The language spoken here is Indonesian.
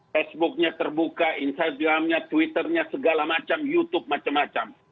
facebook nya terbuka instagram nya twitter nya segala macam youtube macam macam